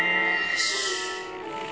よし。